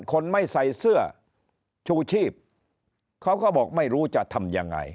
คนไม่ใส่เสื้อชูชีพเขาก็บอกไม่รู้จะทำยังไง